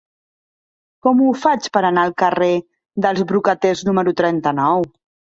Com ho faig per anar al carrer dels Brocaters número trenta-nou?